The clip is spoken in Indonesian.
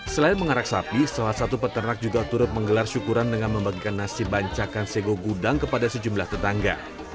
selain mengarak sapi salah satu peternak juga turut menggelar syukuran dengan membagikan nasi bancakan sego gudang kepada sejumlah tetangga